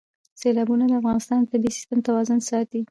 سیلابونه د افغانستان د طبعي سیسټم توازن ساتي.